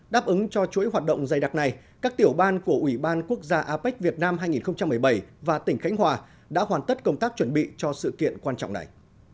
đáp ứng cho chuỗi hoạt động dày đặc này các tiểu ban của ủy ban quốc gia apec việt nam hai nghìn một mươi bảy và tỉnh khánh hòa đã hoàn tất công tác chuẩn bị cho sự kiện quan trọng này